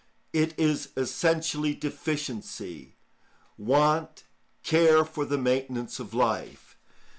It is essentially deficiency, want, care for the maintenance of life.